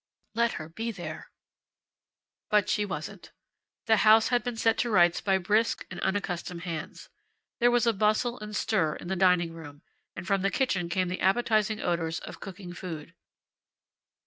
Let her be there!" But she wasn't. The house had been set to rights by brisk and unaccustomed hands. There was a bustle and stir in the dining room, and from the kitchen came the appetizing odors of cooking food.